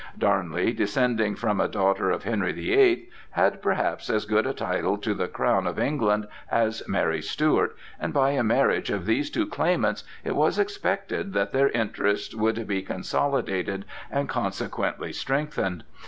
Darnley, descending from a daughter of Henry the Eighth, had perhaps as good a title to the crown of England as Mary Stuart, and by a marriage of these two claimants, it was expected that their interests would be consolidated and consequently strengthened.